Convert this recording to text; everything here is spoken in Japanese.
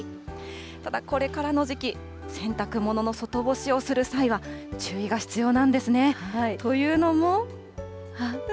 ただ、これからの時期、洗濯物の外干しをする際は、注意が必要なんですね。というのも。